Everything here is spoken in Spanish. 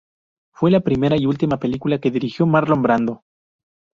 Fue la primera y última película que dirigió Marlon Brando.